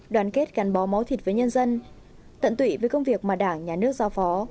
đoàn kết gắn bó máu thịt với nhân dân tận tụy với công việc mà đảng nhà nước giao phó